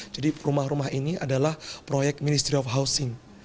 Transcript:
jadi rumah rumah ini adalah proyek ministry of housing